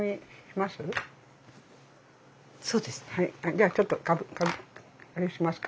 じゃあちょっとあれしますか。